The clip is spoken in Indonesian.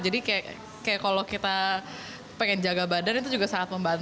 jadi kayak kalau kita pengen jaga badan itu juga sangat membenarkan